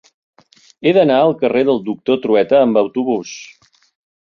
He d'anar al carrer del Doctor Trueta amb autobús.